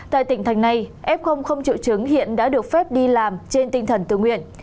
tại tỉnh thành này f không triệu chứng hiện đã được phép đi làm trên tinh thần tự nguyện